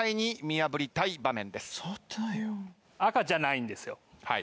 赤じゃないんですよ。